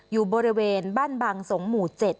อยู่บริเวณบ้านบางสงหมู่๗